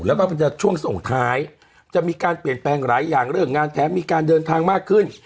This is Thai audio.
แล้วก็มันจะช่วงส่งท้ายจะมีการเปลี่ยนแปลงหลายอย่างเรื่องงานแถมมีการเดินทางมากขึ้น